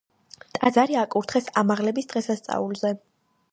ტაძარი აკურთხეს ამაღლების დღესასწაულზე.